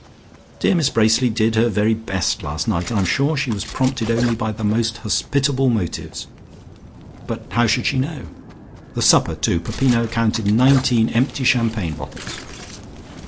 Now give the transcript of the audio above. Dear Miss Bracely did her very best last night; I am sure she was prompted only by the most hospitable motives, but how should she know? The supper too. Peppino counted nineteen empty champagne bottles."